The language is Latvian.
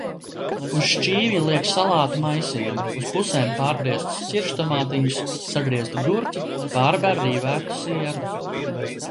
Uz šķīvja liek salātu maisījumu, uz pusēm pārgrieztus ķirštomātiņus, sagrieztu gurķi, pārber rīvētu sieru.